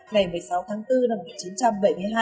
ngày một mươi sáu tháng bốn năm một nghìn chín trăm bảy mươi hai